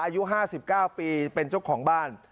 อายุ๕๙ปีเป็นเจ้าของบ้าน